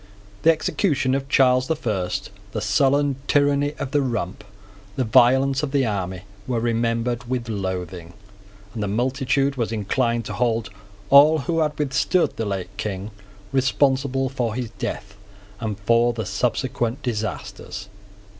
The execution of Charles the First, the sullen tyranny of the Rump, the violence of the army, were remembered with loathing; and the multitude was inclined to hold all who had withstood the late King responsible for his death and for the subsequent disasters.